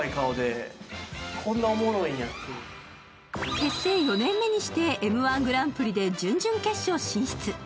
結成４年目にして「Ｍ−１グランプリ」準々決勝進出。